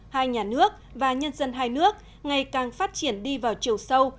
hai nhà nước và nhân dân hai nước ngày càng phát triển đi vào chiều sâu